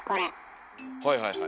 はいはいはい。